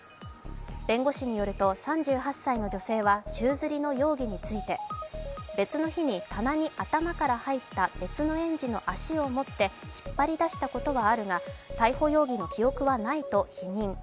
弁護士によると３８歳の女性は宙づりの容疑について別の日に棚に頭から入った別の園児の足を持って引っ張り出したことはあるが逮捕容疑に記憶はないと否認。